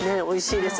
おいしい。